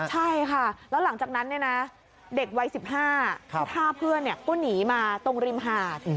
ใช่ค่ะแล้วหลังจากนั้นเนี่ยนะเด็กวัย๑๕ที่ฆ่าเพื่อนก็หนีมาตรงริมหาด